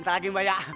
ntar lagi mbak ya